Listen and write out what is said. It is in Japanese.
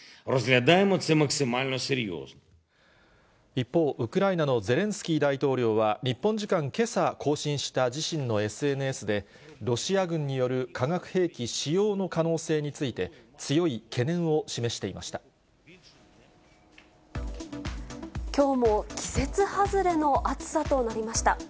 一方、ウクライナのゼレンスキー大統領は、日本時間けさ更新した自身のＳＮＳで、ロシア軍による化学兵器使用の可能性について、強い懸念を示してきょうも季節外れの暑さとなりました。